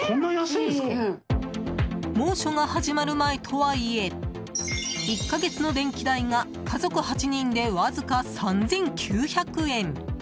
猛暑が始まる前とはいえ１か月の電気代が家族８人でわずか３９００円。